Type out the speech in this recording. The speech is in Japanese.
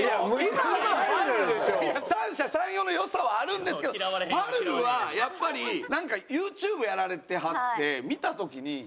三者三様の良さはあるんですけどぱるるはやっぱりなんかＹｏｕＴｕｂｅやられてはって見た時に。